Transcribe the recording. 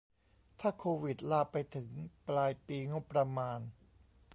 ถ้าโควิดลาไปถึงปลายปีงบประมาณ